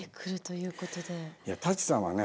いや舘さんはね